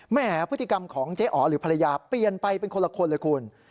แหมพฤติกรรมของเจ๊อ๋อหรือภรรยาเปลี่ยนไปเป็นคนละคนเลยคุณ